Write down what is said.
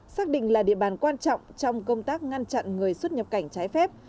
xác định là địa bàn quan trọng trong công tác ngăn chặn người xuất nhập cảnh trái phép